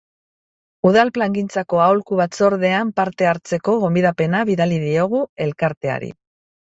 Udal plangintzako aholku batzordean parte hartzeko gonbidapena bidali diogu elkarteari.